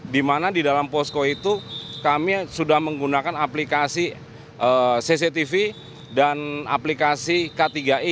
di mana di dalam posko itu kami sudah menggunakan aplikasi cctv dan aplikasi k tiga i